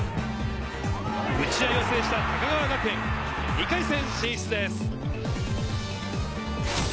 打ち合いを制した高川学園、２回戦進出です。